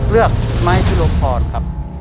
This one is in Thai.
เลือกไม้พิรมพรครับ